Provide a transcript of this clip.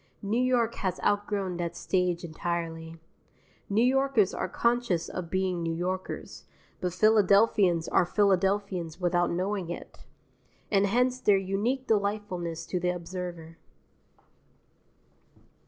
New York has outgrown that stage entirely: New Yorkers are conscious of being New Yorkers, but Philadelphians are Philadelphians without knowing it; and hence their unique delightfulness to the observer.